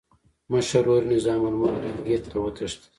مشر ورور یې نظام الملک ګیلګیت ته وتښتېد.